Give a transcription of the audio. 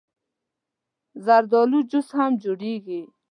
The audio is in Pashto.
زردالو جوس هم جوړېږي.